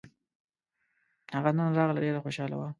هغه نن راغله ډېره خوشحاله وه